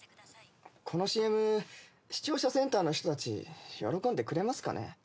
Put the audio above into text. このＣＭ視聴者センターの人たち喜んでくれますかね？